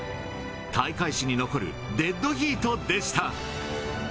大会史に残るデッドヒートでした。